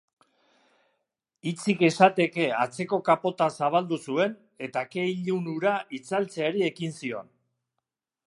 Hitzik esateke atzeko kapota zabaldu zuen eta ke ilun hura itzaltzeari ekin zion.